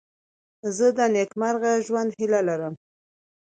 زه د نېکمرغه ژوند هیله لرم.